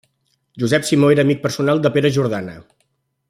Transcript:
Josep Simó era amic personal de Pere Jordana.